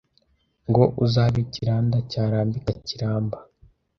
Ngo uzabe Kiranda cyarambika Kiramba